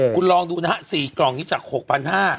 ถ้า๔กล่องนี้จาก๖๕๐๐บาท